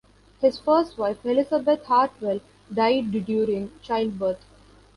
His first wife, Elizabeth Hartwell, died during childbirth.